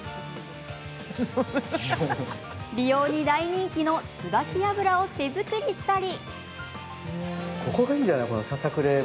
美容に大人気の椿油を手作りしたり。